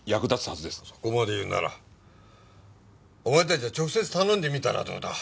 そこまで言うならお前たちが直接頼んでみたらどうだ？